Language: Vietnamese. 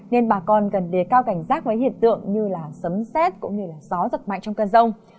nên bà con cần đề cao cảnh giác với hiện tượng như sấm xét cũng như gió giật mạnh trong cơn rông